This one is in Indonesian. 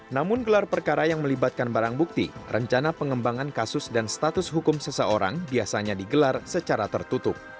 namun gelar perkara yang melibatkan barang bukti rencana pengembangan kasus dan status hukum seseorang biasanya digelar secara tertutup